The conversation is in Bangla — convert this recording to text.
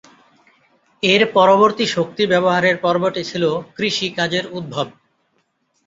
এর পরবর্তী শক্তি ব্যবহারের পর্বটি ছিল কৃষিকাজের উদ্ভব।